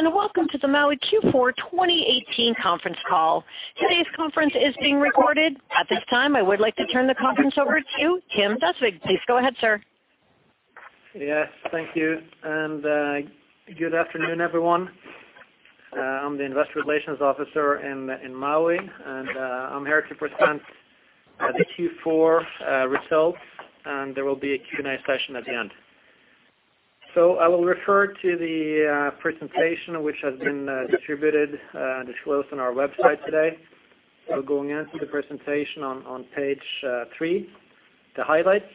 Good day. Welcome to the Mowi Q4 2018 conference call. Today's conference is being recorded. At this time, I would like to turn the conference over to you, Kim Galtung Døsvig. Please go ahead, sir. Yes, thank you. Good afternoon, everyone. I'm the Investor Relations Officer in Mowi, and I'm here to present the Q4 results, and there will be a Q and A session at the end. I will refer to the presentation, which has been distributed and disclosed on our website today. Going into the presentation on page three, the highlights.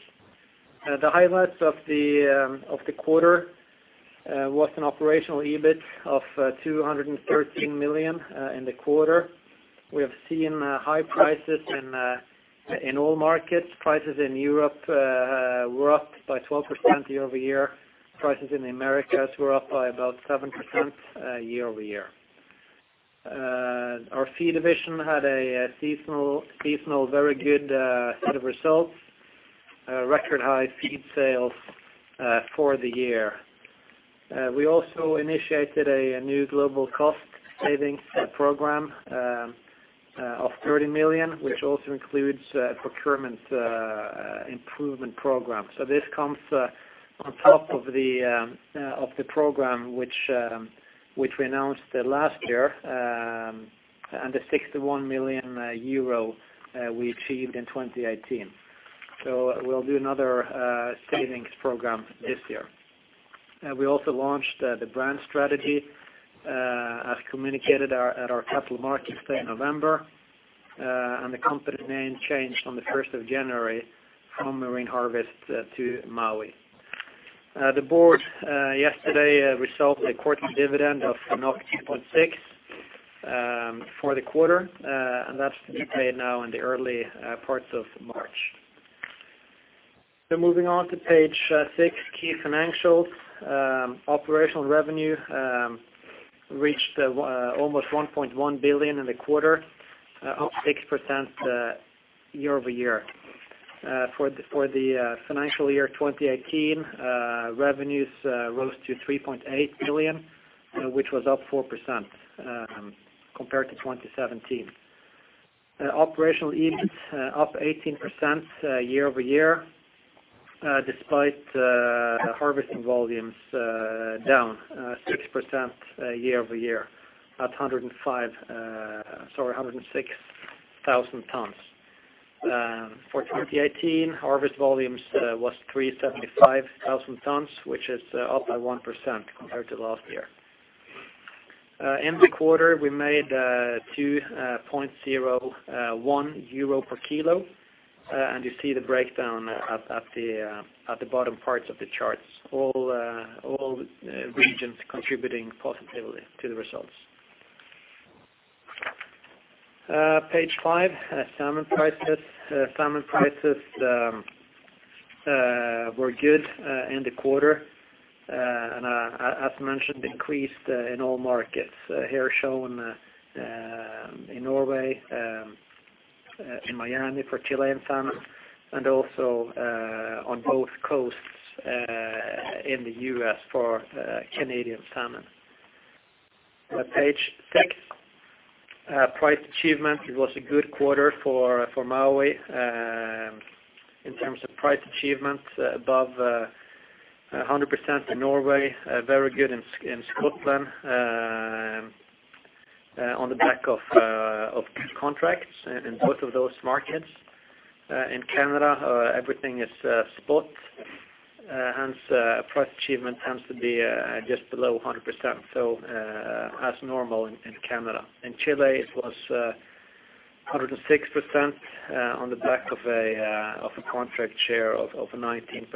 The highlights of the quarter was an operational EBIT of 213 million in the quarter. We have seen high prices in all markets. Prices in Europe were up by 12% year-over-year. Prices in the Americas were up by about 7% year-over-year. Our feed division had a seasonal very good set of results. Record high feed sales for the year. We also initiated a new Global Cost-Saving Program of 30 million, which also includes Procurement Improvement Program. This comes on top of the program which we announced last year, and the 61 million euro we achieved in 2018. We'll do another savings program this year. We also launched the brand strategy, as communicated at our capital markets day in November, and the company name changed on the 1st of January from Marine Harvest to Mowi. The board yesterday resolved a quarterly dividend of 2.6 for the quarter, and that's to be paid now in the early parts of March. Moving on to page six, key financials. Operational revenue reached almost 1.1 billion in the quarter, up 6% year-over-year. For the financial year 2018, revenues rose to 3.8 billion, which was up 4% compared to 2017. Operational EBIT up 18% year-over-year, despite harvesting volumes down 6% year-over-year, at 106,000 tonnes. For 2018, harvest volumes was 375,000 tonnes, which is up by 1% compared to last year. In the quarter, we made 2.01 euro per kilo. You see the breakdown at the bottom parts of the charts, all regions contributing positively to the results. Page five, salmon prices. Salmon prices were good in the quarter and as mentioned, increased in all markets. Here shown in Norway, in Miami for Chilean salmon, and also on both coasts in the U.S. for Canadian salmon. Page six, price achievement. It was a good quarter for Mowi in terms of price achievement, above 100% in Norway, very good in Scotland on the back of contracts in both of those markets. In Canada, everything is spot, hence price achievement tends to be just below 100%, so as normal in Canada. In Chile, it was 106% on the back of a contract share of 19%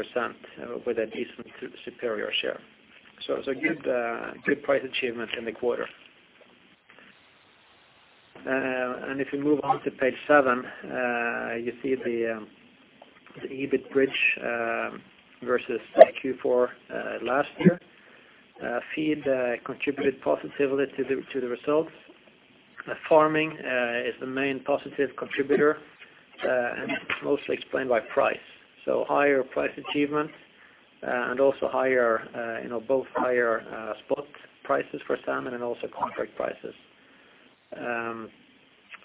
with a decent superior share. Good price achievement in the quarter. If you move on to page seven, you see the EBIT bridge versus Q4 last year. Feed contributed positively to the results. Farming is the main positive contributor and mostly explained by price. Higher price achievement and also both higher spot prices for salmon and also contract prices.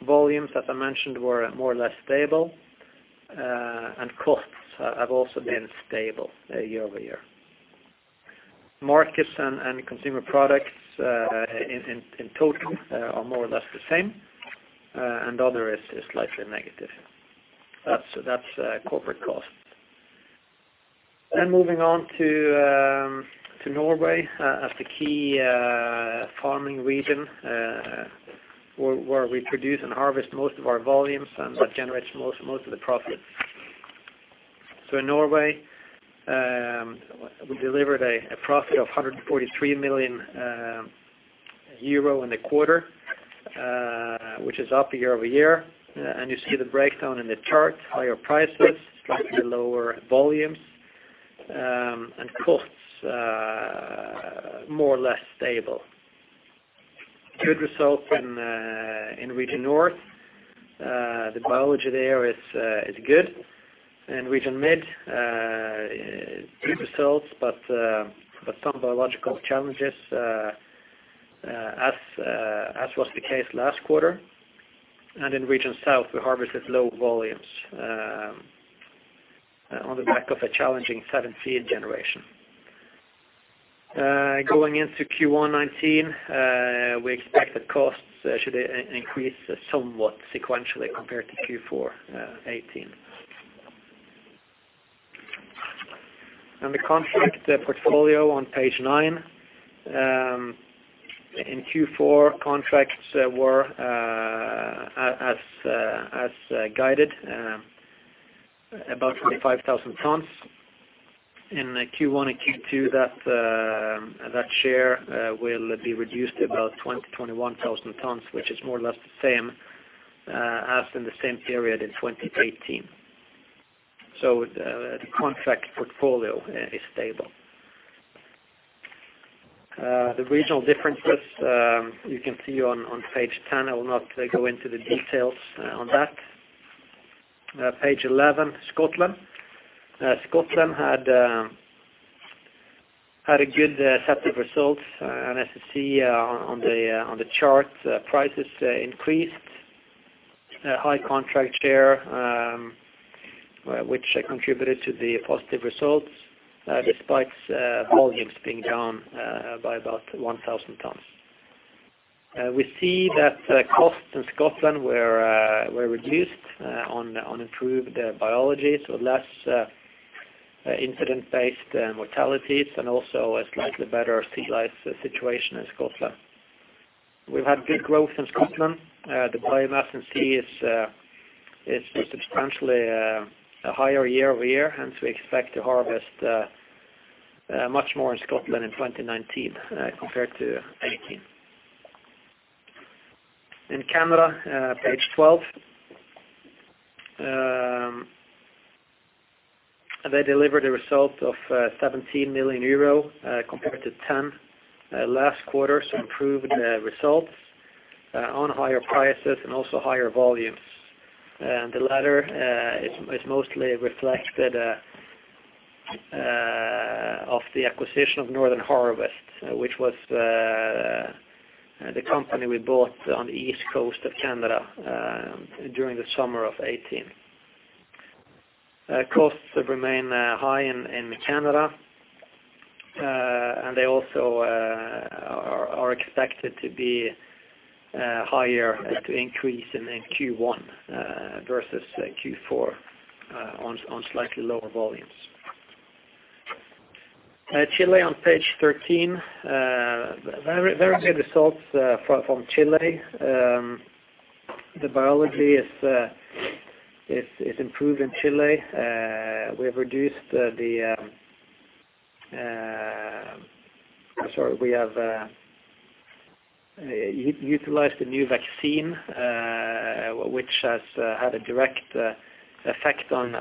Volumes, as I mentioned, were more or less stable, and costs have also been stable year-over-year. Markets and consumer products, in total, are more or less the same, and other is slightly negative. That's corporate cost. Moving on to Norway as the key farming region, where we produce and harvest most of our volumes and that generates most of the profit. In Norway, we delivered a profit of 143 million euro in the quarter, which is up year-over-year. You see the breakdown in the chart, higher prices, slightly lower volumes, and costs, more or less stable. Good results in Region North. The biology there is good. In Region Mid, good results but some biological challenges, as was the case last quarter. In Region South, we harvested low volumes on the back of a challenging 2017 seed generation. Going into Q1 2019, we expect that costs should increase somewhat sequentially compared to Q4 2018. The contract portfolio on page nine. In Q4, contracts were as guided, about 25,000 tons. In Q1 and Q2, that share will be reduced to about 20,000-21,000 tons, which is more or less the same as in the same period in 2018. The contract portfolio is stable. The regional differences, you can see on page 10. I will not go into the details on that. Page 11, Scotland. Scotland had a good set of results, and as you see on the chart, prices increased. High contract share which contributed to the positive results, despite volumes being down by about 1,000 tons. We see that costs in Scotland were reduced on improved biology, so less incident-based mortalities and also a slightly better sea lice situation in Scotland. We've had good growth in Scotland. The biomass in sea is substantially higher year-over-year, hence we expect to harvest much more in Scotland in 2019 compared to 2018. In Canada, page 12. They delivered a result of 17 million euro compared to 10 last quarter, so improved results on higher prices and also higher volumes. The latter is mostly reflected off the acquisition of Northern Harvest, which was the company we bought on the east coast of Canada during the summer of 2018. Costs have remained high in Canada, and they also are expected to be higher, to increase in Q1 versus Q4 on slightly lower volumes. Chile on page 13. Very good results from Chile. The biology is improved in Chile. We have utilized a new vaccine, which has had a direct effect on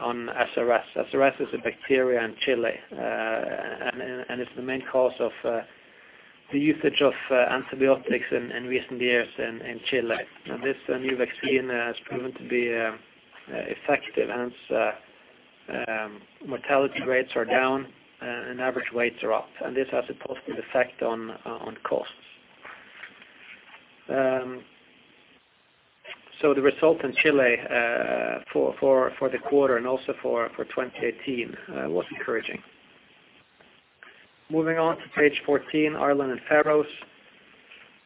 SRS. SRS is a bacteria in Chile, and it's the main cause of the usage of antibiotics in recent years in Chile. This new vaccine has proven to be effective as mortality rates are down and average weights are up. This has a positive effect on costs. The result in Chile for the quarter and also for 2018 was encouraging. Moving on to page 14, Ireland and Faroes.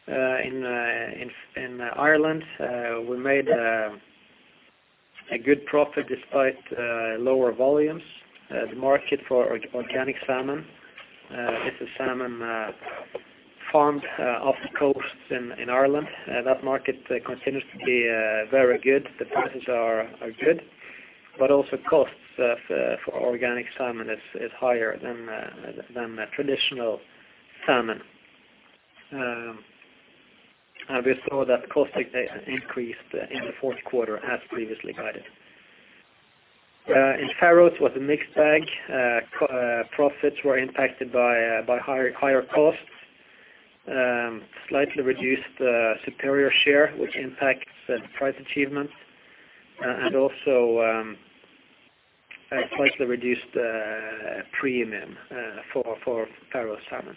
In Ireland, we made a good profit despite lower volumes. The market for organic salmon, this is salmon farmed off the coasts in Ireland. That market continues to be very good. The prices are good, also costs for organic salmon is higher than traditional salmon. We saw that costs increased in the fourth quarter as previously guided. In Faroes was a mixed bag. Profits were impacted by higher costs, slightly reduced superior share, which impacts price achievement, and also a slightly reduced premium for Faroes salmon.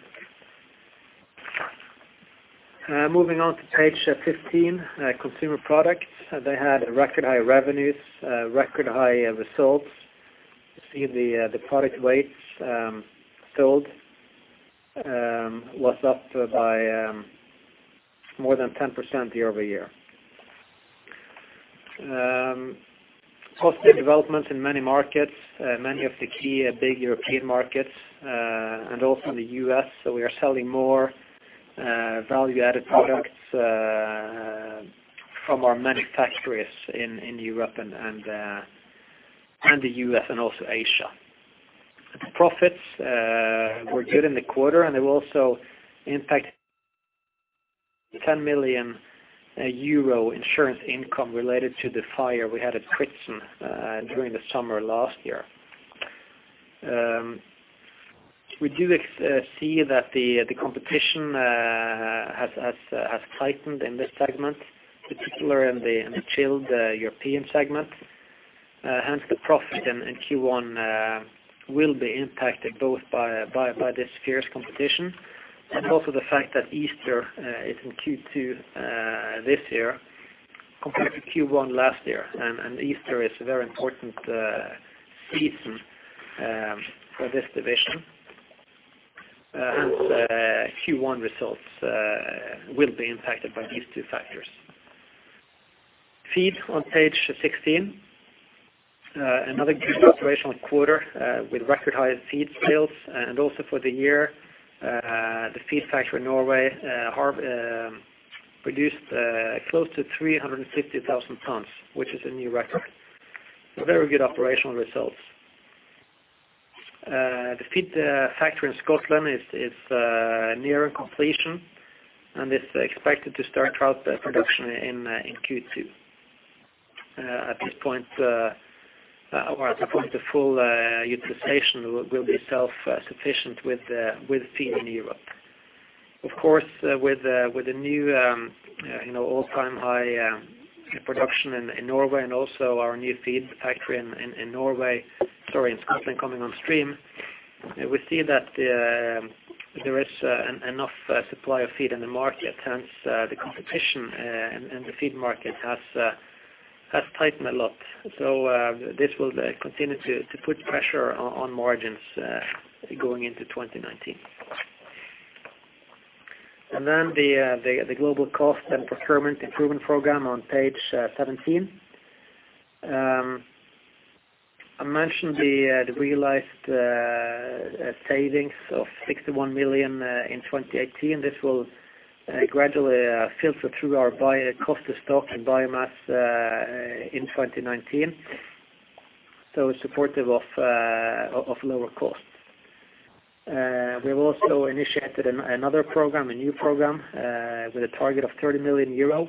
Moving on to page 15, consumer products. They had record high revenues, record high results. You see the product weights sold was up by more than 10% year-over-year. Positive developments in many markets, many of the key big European markets, and also in the U.S. We are selling more value-added products from our manufacturers in Europe and the U.S. and also Asia. The profits were good in the quarter, and they will also impact 10 million euro insurance income related to the fire we had at Kritsen during the summer last year. We do see that the competition has tightened in this segment, particularly in the chilled European segment. The profit in Q1 will be impacted both by this fierce competition and also the fact that Easter is in Q2 this year compared to Q1 last year. Easter is a very important season for this division. Q1 results will be impacted by these two factors. Feed on page 16. Another good operational quarter with record high feed sales and also for the year. The feed factory in Norway produced close to 350,000 tons, which is a new record. Very good operational results. The feed factory in Scotland is nearing completion and is expected to start out production in Q2. At this point, the full utilization will be self-sufficient with feed in Europe. Of course, with the new all-time high production in Norway and also our new feed factory in Scotland coming on stream, we see that there is enough supply of feed in the market. Hence, the competition in the feed market has tightened a lot. This will continue to put pressure on margins going into 2019. The Global Cost and Procurement Improvement Program on page 17. I mentioned the realized savings of 61 million in 2018. This will gradually filter through our cost of stock and biomass in 2019, supportive of lower costs. We have also initiated another program, a new program, with a target of 30 million euro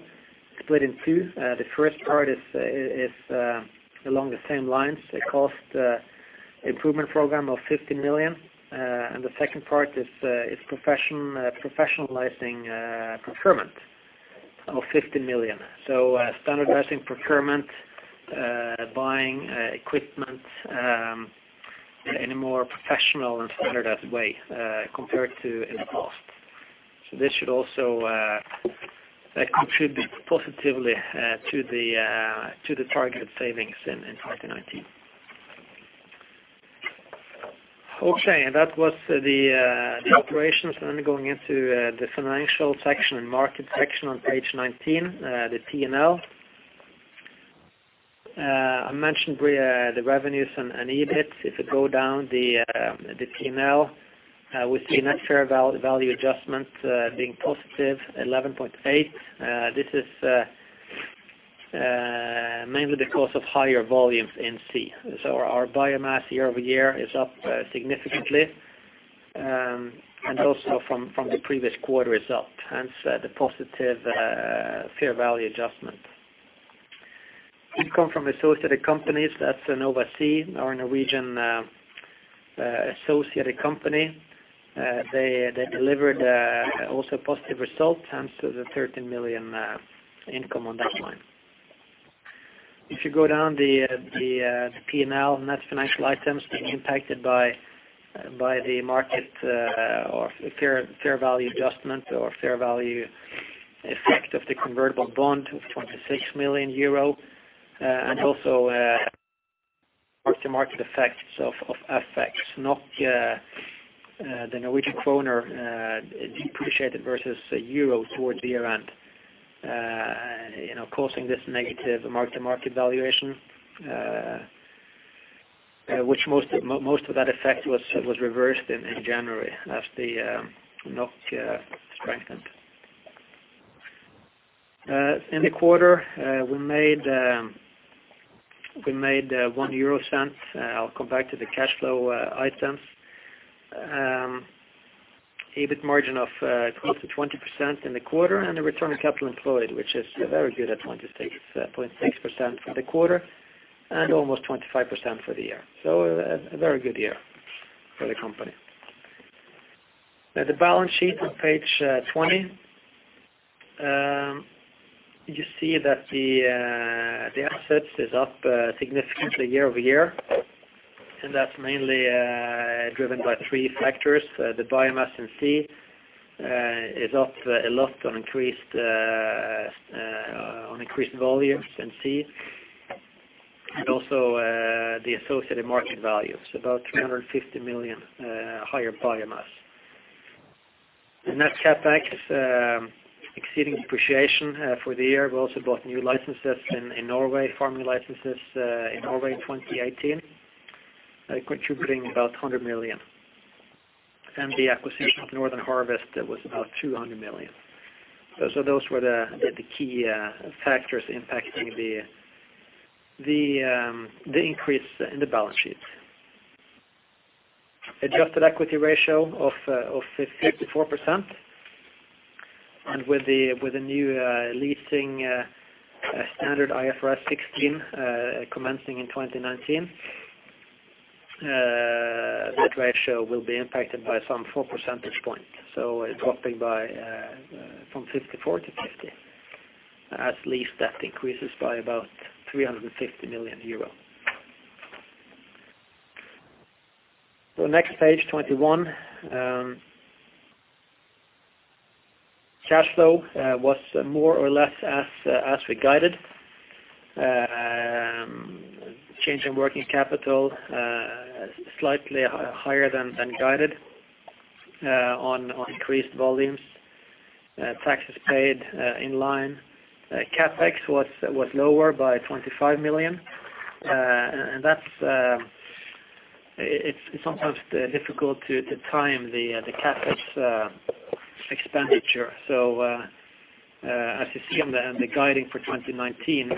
split in two. The first part is along the same lines, a cost improvement program of 15 million. The second part is professionalizing procurement of 15 million. Standardizing procurement, buying equipment in a more professional and standardized way compared to in the past. This should also contribute positively to the target savings in 2019. Okay. That was the operations. Going into the financial section and market section on page 19, the P&L. I mentioned the revenues and EBIT. If we go down the P&L, we see net fair value adjustment being positive, 11.8. This is mainly the cost of higher volumes in C. Our biomass year-over-year is up significantly. Also from the previous quarter result, hence the positive fair value adjustment. Income from associated companies, that's Nova Sea, our Norwegian associated company. They delivered also a positive result hence the 13 million income on that line. If you go down the P&L, net financial items being impacted by the market or fair value adjustment or fair value effect of the convertible bond of 26 million euro, and also mark-to-market effects of FX. NOK, the Norwegian kroner depreciated versus Euro towards the year-end causing this negative mark-to-market valuation. Most of that effect was reversed in January as the NOK strengthened. In the quarter, we made 0.01. I'll come back to the cash flow items. EBIT margin of close to 20% in the quarter, and the return on capital employed, which is very good at 26% for the quarter and almost 25% for the year. A very good year for the company. The balance sheet on page 20. You see that the assets is up significantly year-over-year, that's mainly driven by three factors. The biomass in sea is up a lot on increased volumes in sea, and also the associated market values, about 350 million higher biomass. The net CapEx exceeding depreciation for the year. We also bought new licenses in Norway, farming licenses in Norway in 2018, contributing about 100 million. The acquisition of Northern Harvest was about 200 million. Those were the key factors impacting the increase in the balance sheet. Adjusted equity ratio of 54%. With the new leasing standard IFRS 16 commencing in 2019, that ratio will be impacted by some 4 percentage points. It's dropping from 54% to 50% as lease debt increases by about 350 million euro. Next page, 21. Cash flow was more or less as we guided. Change in working capital, slightly higher than guided on increased volumes. Taxes paid, in line. CapEx was lower by 25 million. It's sometimes difficult to time the CapEx expenditure. As you see on the guiding for 2019,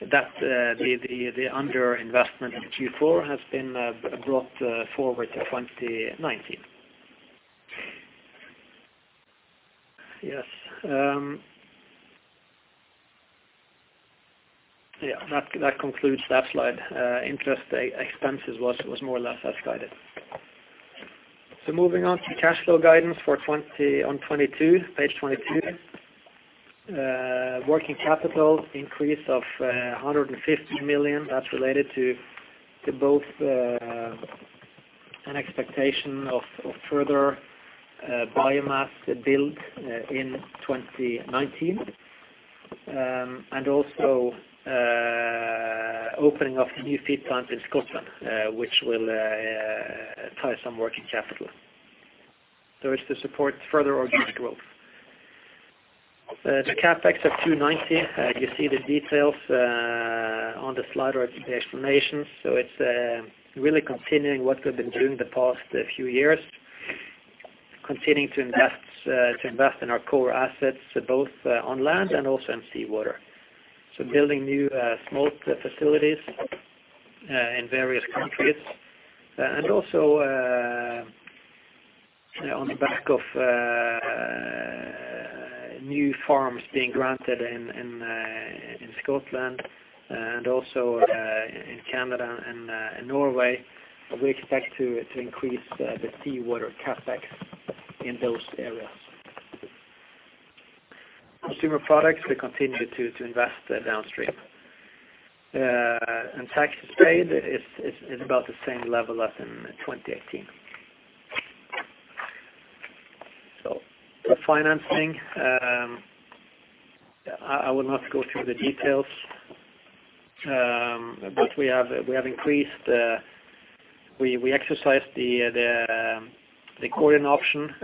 the under-investment in Q4 has been brought forward to 2019. Yes. Yeah, that concludes that slide. Interest expenses was more or less as guided. Moving on to cash flow guidance on page 22. Working capital increase of 150 million. That's related to both an expectation of further biomass build in 2019, and also opening of the new feed plant in Scotland, which will tie some working capital. It's to support further organic growth. The CapEx of 290, you see the details on the slide or the explanation. It's really continuing what we've been doing the past few years, continuing to invest in our core assets, both on land and also in seawater. Building new smolt facilities in various countries. Also on the back of new farms being granted in Scotland and also in Canada and Norway, we expect to increase the seawater CapEx in those areas. Consumer products, we continue to invest downstream. Taxes paid is about the same level as in 2018. For financing, I will not go through the details. We have increased. We exercised the calling option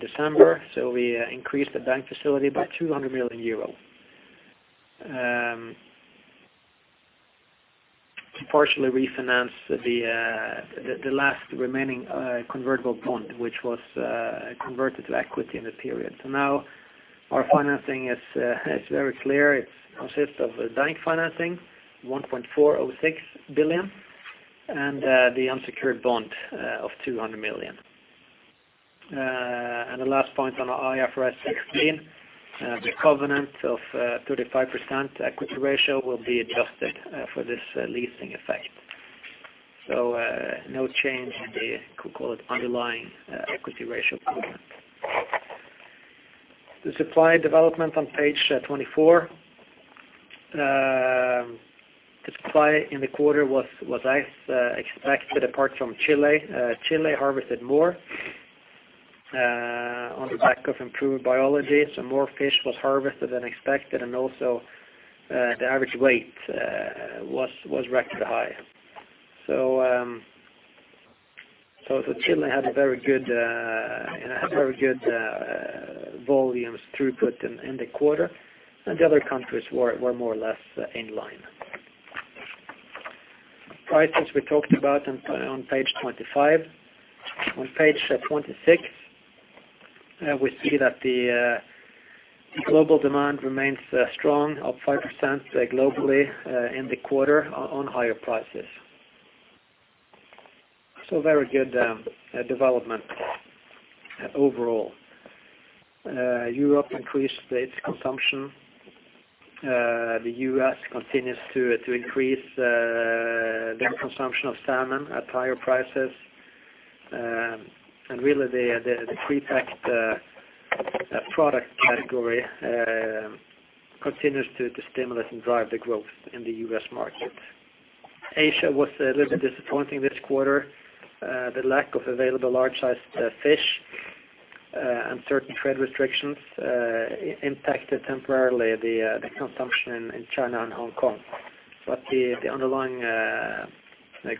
December, we increased the bank facility by 200 million euro. Partially refinanced the last remaining convertible bond, which was converted to equity in the period. Now our financing is very clear. It consists of bank financing, 1.406 billion, and the unsecured bond of 200 million. The last point on IFRS 16, the covenant of 35% equity ratio will be adjusted for this leasing effect. No change in the, you could call it underlying equity ratio covenant. The supply development on page 24. The supply in the quarter was as expected, apart from Chile. Chile harvested more on the back of improved biology, so more fish was harvested than expected, and also the average weight was record high. Chile had a very good volumes throughput in the quarter, and the other countries were more or less in line. Prices we talked about on page 25. On page 26, we see that the global demand remains strong of 5% globally in the quarter on higher prices. Very good development overall. Europe increased its consumption. The U.S. continues to increase their consumption of salmon at higher prices. Really the prepacked product category continues to stimulate and drive the growth in the U.S. market. Asia was a little bit disappointing this quarter. The lack of available large-sized fish and certain trade restrictions impacted temporarily the consumption in China and Hong Kong. The underlying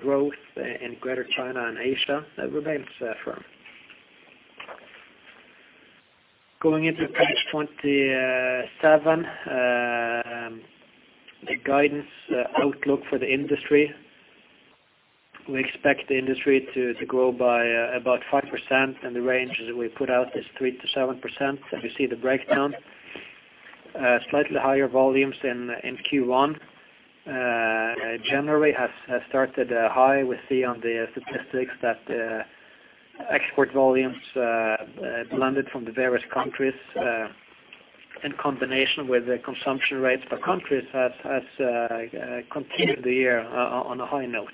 growth in greater China and Asia remains firm. Going into page 27, the guidance outlook for the industry. We expect the industry to grow by about 5%, and the range that we put out is 3%-7%, and you see the breakdown. Slightly higher volumes in Q1. January has started high. We see on the statistics that export volumes landed from the various countries, in combination with the consumption rates per countries, has continued the year on a high note.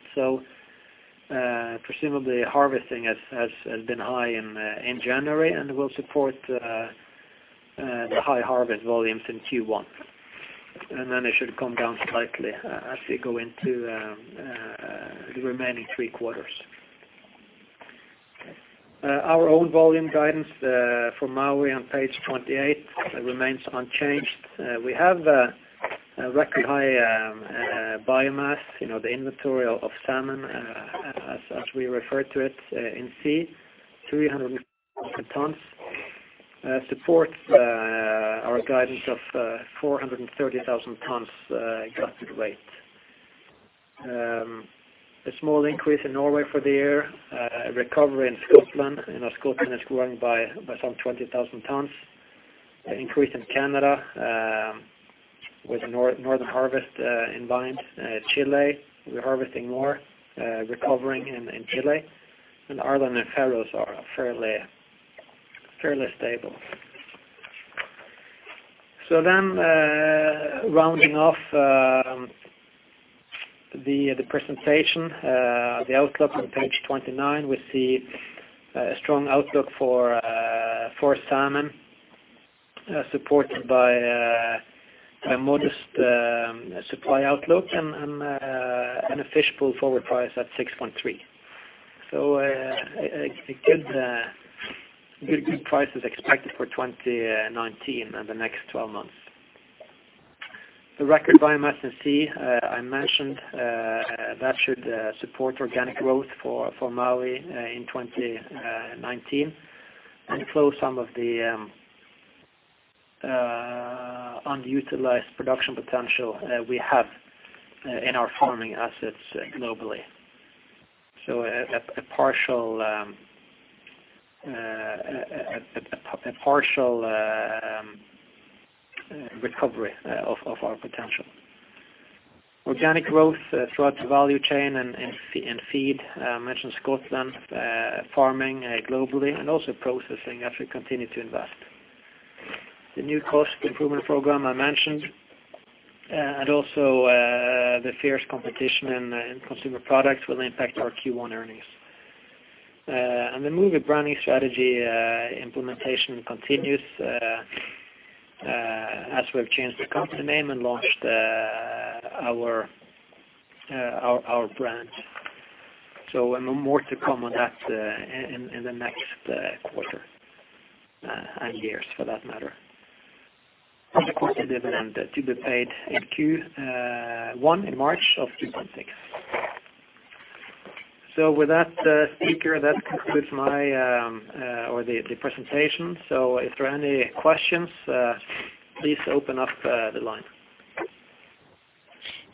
Presumably harvesting has been high in January and will support the high harvest volumes in Q1. It should come down slightly as we go into the remaining three quarters. Our own volume guidance for Mowi on page 28 remains unchanged. We have a record high biomass, the inventory of salmon as we refer to it in C, 300 tons, supports our guidance of 430,000 tons adjusted weight. A small increase in Norway for the year, a recovery in Scotland is growing by some 20,000 tons. Increase in Canada with Northern Harvest combined. Chile, we're harvesting more, recovering in Chile, and Ireland and Faroes are fairly stable. Rounding off the presentation. The outlook on page 29, we see a strong outlook for salmon, supported by a modest supply outlook and a Fish Pool forward price at 6.3. A good price is expected for 2019 and the next 12 months. The record biomass in C, I mentioned, that should support organic growth for Mowi in 2019 and flow some of the unutilized production potential that we have in our farming assets globally. A partial recovery of our potential. Organic growth throughout the value chain and feed. I mentioned Scotland, farming globally and also processing as we continue to invest. The new cost improvement program I mentioned, and also the fierce competition in consumer products will impact our Q1 earnings. The Mowi branding strategy implementation continues as we've changed the company name and launched our brand. More to come on that in the next quarter and years for that matter. Of course, the dividend to be paid in Q1 in March of 2.6. With that, speaker, that concludes the presentation. If there are any questions, please open up the line.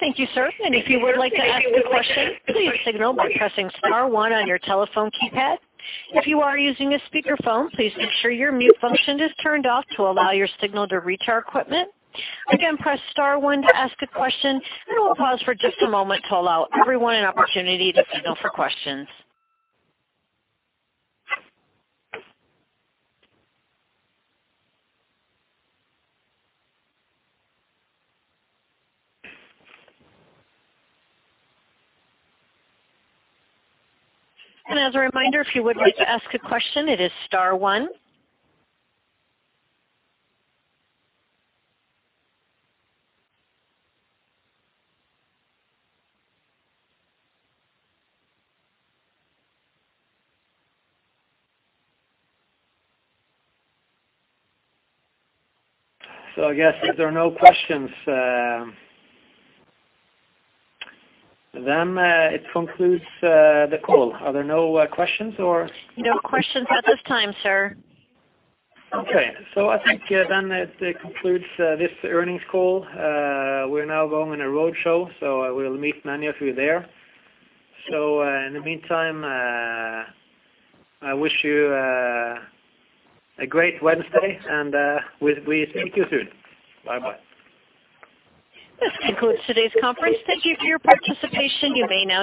Thank you, sir. And if you would like to ask a question, please signal by pressing star one on your telephone keypad. If you are using a speakerphone, please make sure your mute function is turned off to allow your signal to reach our equipment. Again, press star one to ask a question, and we'll pause for just a moment to allow everyone an opportunity to signal for questions. And as a reminder, if you would like to ask a question, it is star one. I guess if there are no questions, then it concludes the call. Are there no questions? No questions at this time, sir. Okay. I think it concludes this earnings call. We're now going on a road show. I will meet many of you there. In the meantime, I wish you a great Wednesday, and we speak to you soon. Bye-bye. This concludes today's conference. Thank you for your participation. You may now disconnect.